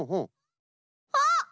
あっ！